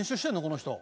この人。